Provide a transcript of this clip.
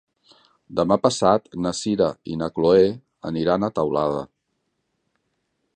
Demà passat na Sira i na Chloé aniran a Teulada.